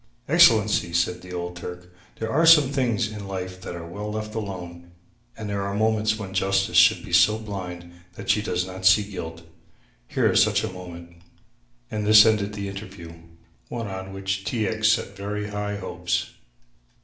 "Excellency," said the old Turk soberly, "there are some things in life that are well left alone and there are moments when justice should be so blind that she does not see guilt; here is such a moment." And this ended the interview, one on which T. X. had set very high hopes.